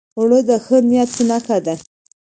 اوړه د ښه نیت نښه ده